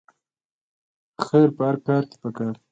خیر په هر کار کې پکار دی